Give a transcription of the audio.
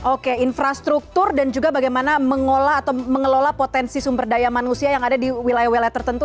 oke infrastruktur dan juga bagaimana mengolah atau mengelola potensi sumber daya manusia yang ada di wilayah wilayah tertentu